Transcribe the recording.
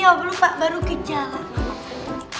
iya gue lupa baru kejalanan